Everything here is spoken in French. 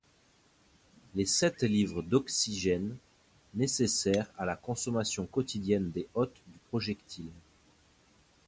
Les sept livres d’oxygène nécessaire à la consommation quotidienne des hôtes du projectile.